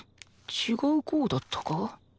違う号だったか？